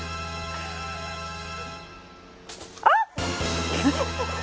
・あっ！